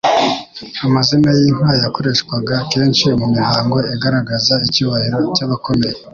Amazina y'inka yakoreshwaga kenshi mu mihango igaragaza icyubahiro cy'abakomeye